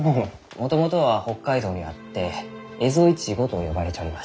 もともとは北海道にあってエゾイチゴと呼ばれちょりました。